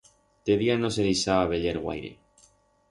De día no se dixaba veyer guaire.